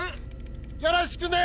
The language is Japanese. よろしくね！